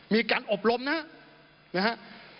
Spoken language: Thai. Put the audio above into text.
มีการอบรมนะครับ